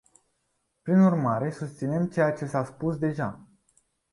Prin urmare, susținem ceea ce s-a spus deja.